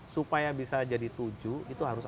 supaya bisa jadi tujuh itu harus